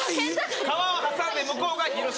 川を挟んで向こうが広島。